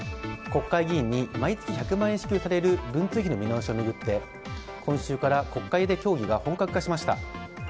国会議員に毎月１００万円支給される文通費の見直しを巡って今週から国会で協議が本格化しました。